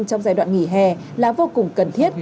trong giai đoạn nghỉ hè là vô cùng cần thiết